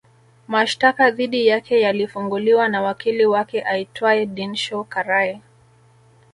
Mashtaka dhidi yake yalifunguliwa na wakili wake aitwae Dinshaw Karai